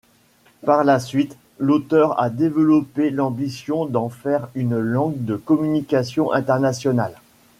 Par la suite, l'auteur a développé l'ambition d'en faire une langue de communication internationale.